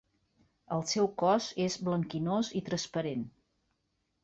El seu cos és blanquinós i transparent.